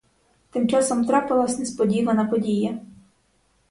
Тим часом трапилась несподівана подія.